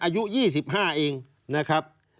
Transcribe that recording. อายุ๒๕เองนะครับ